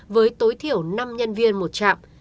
với tối thiểu năm nhân viên một trạm